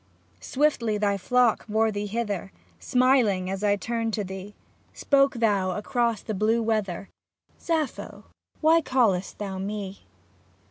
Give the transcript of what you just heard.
Swiftly thy flock bore thee hither. Smiling, as turned I to thee. Spoke thou across the blue weather, " Sappho, why callest thou me